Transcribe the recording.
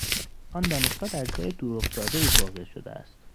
آن دانشگاه در جای دورافتادهای واقع شده است.